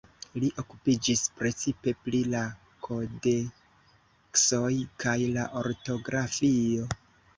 Li okupiĝis precipe pri la kodeksoj kaj la ortografio.